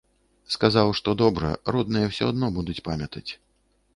Сказаў, што добра, родныя ўсё адно будуць памятаць.